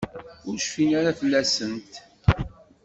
Ur cfin ara fell-asent.